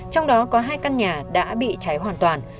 trong đó có hai căn nhà đã bị cháy hoàn toàn